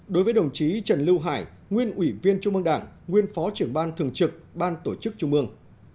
đối với đồng chí trần lưu hải nguyên ủy viên trung mương đảng nguyên phó trưởng ban thường trực ban tổ chức trung ương